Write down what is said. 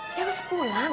dia harus pulang